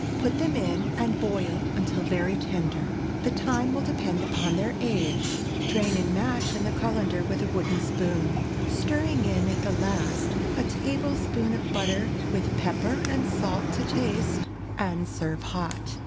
Put them in and boil until very tender. The time will depend upon their age. Drain and mash in the cullender with a wooden spoon, stirring in at the last a tablespoonful of butter with pepper and salt to taste, and serve hot.